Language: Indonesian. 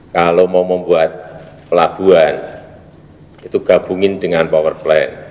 kalau mau membuat pelabuhan itu gabungin dengan power plan